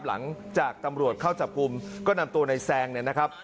หลังจากตำรวจเข้าจับกลุ่มก็นำตัวในแซงเนี่ยนะครับ